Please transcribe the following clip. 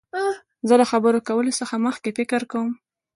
زه د خبرو کولو څخه مخکي فکر کوم.